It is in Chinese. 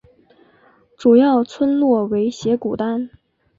主要村落为斜古丹。